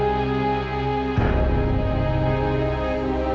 perkataan indira ada benarnya juga